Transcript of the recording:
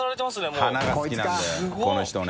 この人ね。